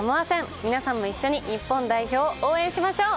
皆さんも一緒に日本代表を応援しましょう！